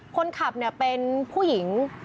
คนขับเนี่ยเป็นผู้หญิง